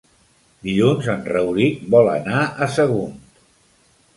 Dilluns en Rauric vol anar a Sagunt.